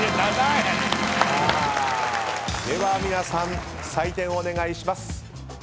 では皆さん採点お願いします。